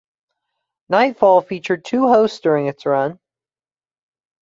"Nightfall" featured two hosts during its run.